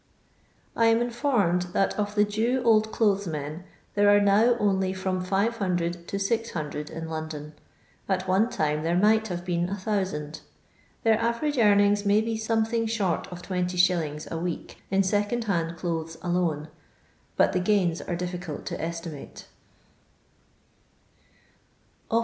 I am informed that of the Jew Old Clothes Men there are now only firom 500 to 600 in London ; at one time there might have been 1000. Their average earnings may be something short of 20s. a week in second hand clothes alone; but the gains are difficult to estimate.